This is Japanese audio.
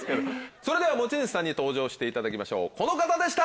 それでは持ち主さんに登場していただきましょうこの方でした！